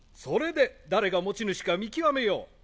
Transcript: それで誰が持ち主か見極めよう。